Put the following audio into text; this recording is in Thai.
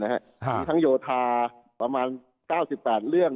มีทั้งโยธาประมาณ๙๘เรื่อง